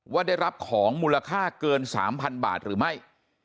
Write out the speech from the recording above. ว่าได้รับของมูลค่าเกิน๓๐๐๐บาทหรือไม่